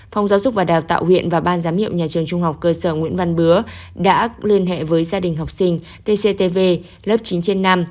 phòng giáo dục và đào tạo huyện và ban giám hiệu nhà trường trung học cơ sở nguyễn văn bứa đã liên hệ với gia đình học sinh tctv lớp chín trên năm